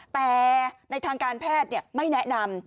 แต่ในทางการแพทย์ไม่แนะนำ